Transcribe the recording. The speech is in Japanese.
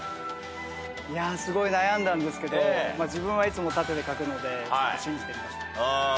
いやすごい悩んだんですけど自分はいつも縦で書くので信じてみました。